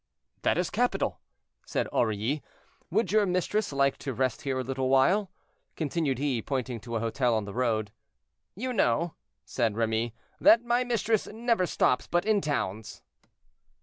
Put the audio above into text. "That is capital," said Aurilly. "Would your mistress like to rest here a little while?" continued he, pointing to a hotel on the road. "You know," said Remy, "that my mistress never stops but in towns."